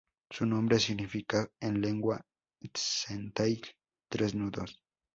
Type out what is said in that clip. Su nombre significa en lengua tzeltal "Tres Nudos".